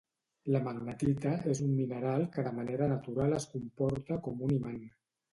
La magnetita és un mineral que de manera natural es comporta com un imant